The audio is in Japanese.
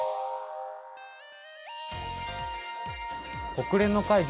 国連の会議